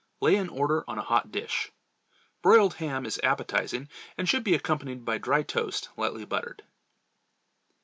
Lay in order on a hot dish. Broiled ham is appetizing, and should be accompanied by dry toast, lightly buttered.